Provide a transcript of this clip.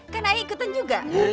kan ayikutan juga